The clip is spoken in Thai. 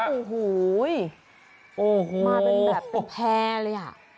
โอ้โหมาเป็นแพร่เลย